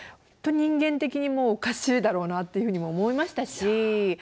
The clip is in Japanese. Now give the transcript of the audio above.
人間的にもうおかしいだろうなっていうふうにも思いましたし。